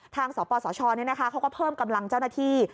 ทางสปสชเนี่ยนะคะเขาก็เพิ่มกำลังเจ้าหน้าที่